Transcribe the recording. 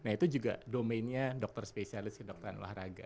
itu juga domainnya dokter spesialis dokter olahraga